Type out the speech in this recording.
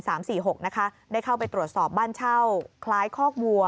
หกนะคะได้เข้าไปตรวจสอบบ้านเช่าคล้ายคอกวัว